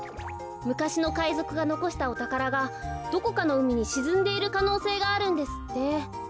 むかしのかいぞくがのこしたおたからがどこかのうみにしずんでいるかのうせいがあるんですって。